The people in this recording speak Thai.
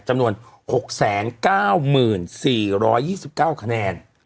จำนวน๖๙๔๒๙คะแนน